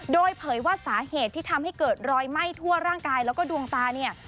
โดยเผยว่าสาเหตุที่ทำให้เกิดรอยไหม้ทั่วร่างกายแล้วก็ดวงตาเนี่ย